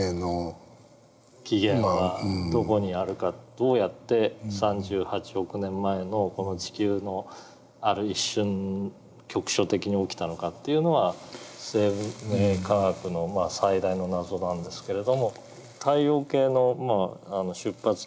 どうやって３８億年前のこの地球のある一瞬局所的に起きたのかっていうのは生命科学の最大の謎なんですけれども太陽系の出発点